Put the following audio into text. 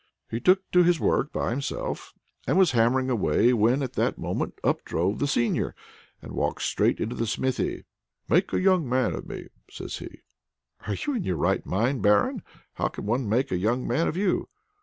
He took to his work by himself, and was hammering away, when at that moment up drove the seigneur, and walked straight into the smithy. "Make a young man of me," says he. "Are you in your right mind, Barin? How can one make a young man of you?"